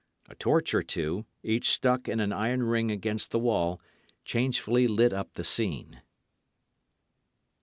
A torch or two, each stuck in an iron ring against the wall, changefully lit up the scene.